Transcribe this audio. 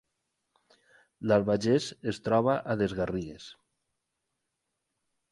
L’Albagés es troba a les Garrigues